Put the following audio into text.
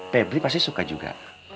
febri pasti suka juga